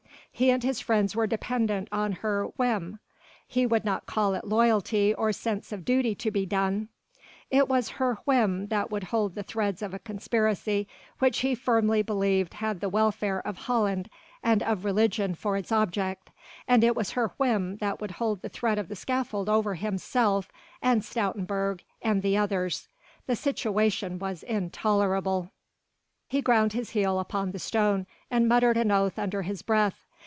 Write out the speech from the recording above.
He and his friends were dependent on her whim he would not call it loyalty or sense of duty to be done it was her whim that would hold the threads of a conspiracy which he firmly believed had the welfare of Holland and of religion for its object, and it was her whim that would hold the threat of the scaffold over himself and Stoutenburg and the others. The situation was intolerable. He ground his heel upon the stone and muttered an oath under his breath.